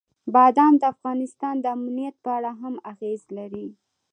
بادام د افغانستان د امنیت په اړه هم اغېز لري.